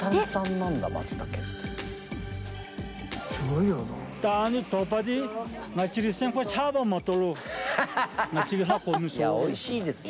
いやおいしいですよ。